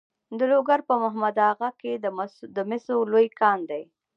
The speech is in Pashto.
د لوګر په محمد اغه کې د مسو لوی کان دی.